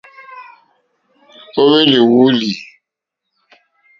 Ó hwélì wòòlì.